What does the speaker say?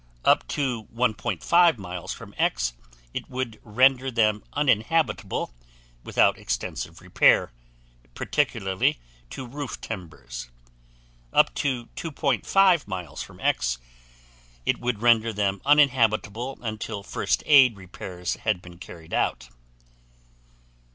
Up to 1.5 miles from X it would render them uninhabitable without extensive repair, particularly to roof timbers. Up to 2.5 miles from X it would render them uninhabitable until first aid repairs had been carried out.